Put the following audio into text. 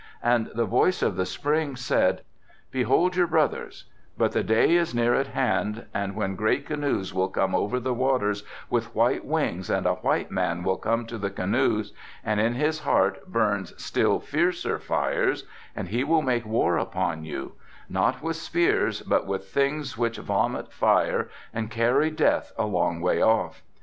And the voice of the spring said, 'Behold your brothers, but the day is near at hand when great canoes will come over the waters with white wings and a white man will come in the canoes and in his heart burns still fiercer fires and he will make war upon you; not with spears but with things which vomit fire and carry death a long way off.